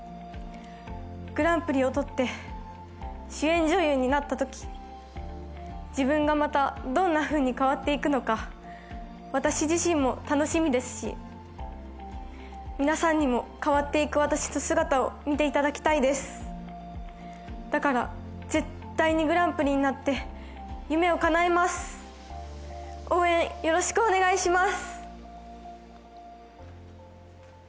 グランプリをとって主演女優になった時自分がまたどんなふうに変わっていくのか私自身も楽しみですし皆さんにも変わっていく私の姿を見ていただきたいですだから絶対にグランプリになって夢を叶えます応援よろしくお願いします